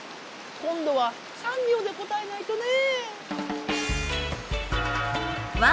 こんどは３秒で答えないとね。